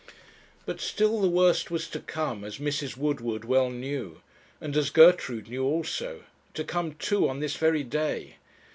But still the worst was to come, as Mrs. Woodward well knew and as Gertrude knew also; to come, too, on this very day.